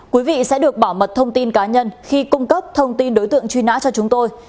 quý vị sẽ được bảo mật thông tin cá nhân khi cung cấp thông tin đối tượng truy nã cho chúng tôi